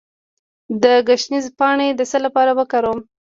د ګشنیز پاڼې د څه لپاره وکاروم؟